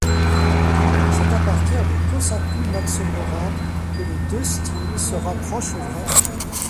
C'est à partir de Kōsaku Matsomora, que les deux styles se rapprochent vraiment.